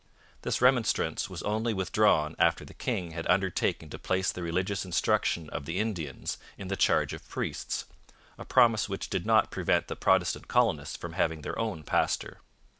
This remonstrance was only withdrawn after the king had undertaken to place the religious instruction of the Indians in the charge of priests a promise which did not prevent the Protestant colonists from having their own pastor.